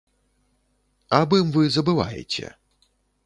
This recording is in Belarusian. Аб ім вы забываеце.